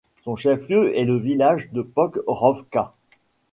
Son chef-lieu est le village de Pokrovka.